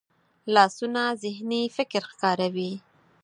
لاسونه ذهني فکر ښکاروي